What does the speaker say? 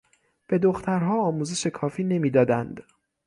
به دخترها آموزش کافی نمیدادند.